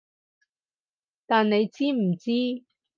但你知唔知？